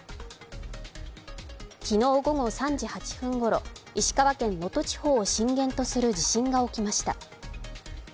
昨日午後３時８分頃、石川県・能登地方を震源とする地震が起きました。